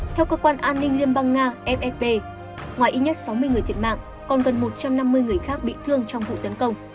theo cơ quan an ninh liên bang nga fsp ngoài ít nhất sáu mươi người thiệt mạng còn gần một trăm năm mươi người khác bị thương trong vụ tấn công